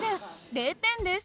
０点です。